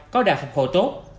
có đạt phục hộ tốt